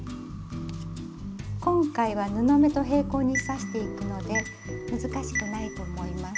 今回は布目と平行に刺していくので難しくないと思います。